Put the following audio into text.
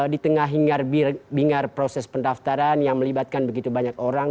di tengah bingar proses pendaftaran yang melibatkan begitu banyak orang